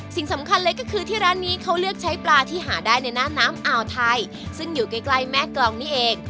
สิ่งสำคัญเลยก็คือที่ร้านนี้เขาเลือกใช้ปลาที่หาได้ในหน้าน้ำอ่าวไทยซึ่งอยู่ใกล้ใกล้แม่กรองนี่เอง